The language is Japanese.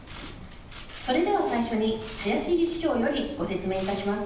それでは最初に林理事長よりご説明いたします。